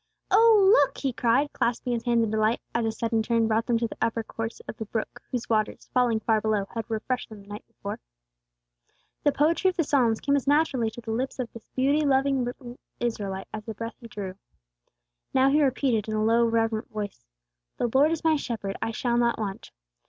"Oh, look!" he cried, clasping his hands in delight, as a sudden turn brought them to the upper course of the brook whose waters, falling far below, had refreshed them the night before. The poetry of the Psalms came as naturally to the lips of this beauty loving little Israelite as the breath he drew. Now he repeated, in a low, reverent voice, "'The Lord is my shepherd; I shall not want.'